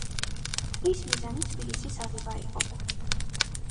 მტრის მიზანი თბილისის აღება იყო.